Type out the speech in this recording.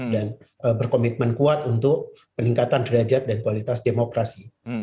dan berkomitmen kuat untuk peningkatan derajat dan kualitas demokrasi